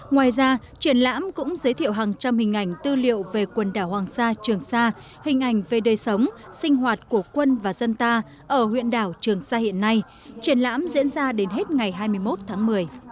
ngoài ra triển lãm cũng giới thiệu hàng trăm hình ảnh tư liệu về quần đảo hoàng sa trường sa hình ảnh về đời sống sinh hoạt của quân và dân ta ở huyện đảo trường sa hiện nay triển lãm diễn ra đến hết ngày hai mươi một tháng một mươi